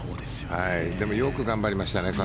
でも、よく頑張りましたね。